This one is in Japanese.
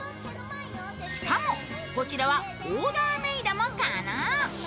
しかもこちらはオーダーメイドも可能。